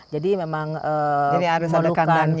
jadi memang memerlukan